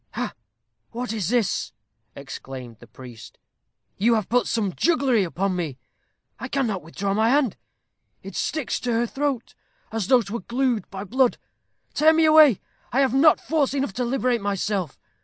"Ha! what is this?" exclaimed the priest. "You have put some jugglery upon me. I cannot withdraw my hand. It sticks to her throat, as though 'twere glued by blood. Tear me away. I have not force enough to liberate myself.